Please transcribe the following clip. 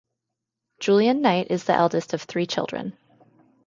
Julian Knight is the eldest of three children.